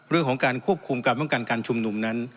เรื่องของการควบคุมการป้องกันการชุมนุมนั้น